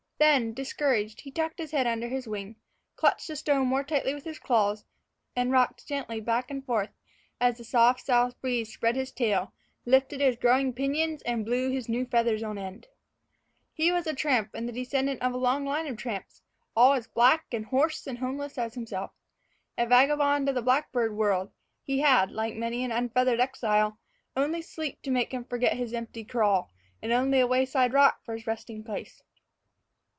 Then, discouraged, he tucked his head under his wing, clutched the stone more tightly with his claws, and rocked gently back and forth as the soft south breeze spread his tail, lifted his growing pinions, and blew his new feathers on end. He was a tramp and the descendant of a long line of tramps, all as black and hoarse and homeless as himself. A vagabond of the blackbird world, he had, like many an unfeathered exile, only sleep to make him forget his empty craw, and only a wayside rock for his resting place.